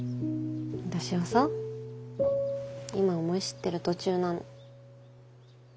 私はさ今思い知ってる途中なの。